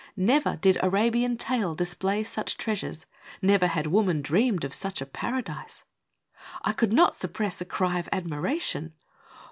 Never did Arabian tale display such treasures, never had woman dreamed of such a paradise I 1 could not suppress a cry of admiration.